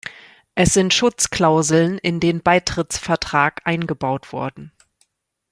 Es sind Schutzklauseln in den Beitrittsvertrag eingebaut worden.